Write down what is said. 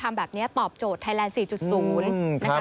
ทำแบบนี้ตอบโจทย์ไทยแลนด์๔๐นะคะ